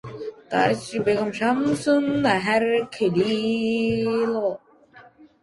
তার স্ত্রী বেগম শামসুন নাহার খলিল।